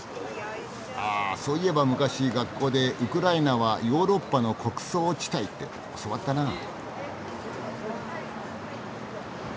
あそういえば昔学校でウクライナは「ヨーロッパの穀倉地帯」って教わったなあ。